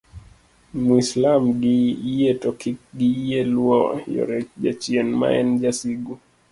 mwislam gi yie to kik giyie luwo yore jachien maen jasigu